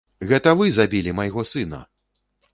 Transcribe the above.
Гэта вы забілі майго сына!